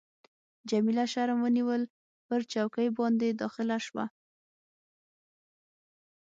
جميله شرم ونیول، پر چوکۍ باندي داخله شوه.